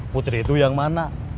putri itu yang mana